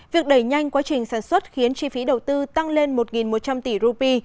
việc đẩy nhanh quá trình sản xuất khiến chi phí đầu tư tăng lên một một trăm linh tỷ rupee